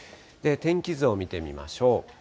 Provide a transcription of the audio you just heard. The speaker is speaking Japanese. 天気図を見てみましょう。